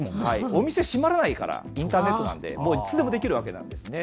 お店閉まらないから、インターネットなんで、もういつでもできるわけなんですね。